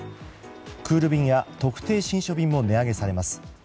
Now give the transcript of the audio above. クール便や特定信書便も値上げされます。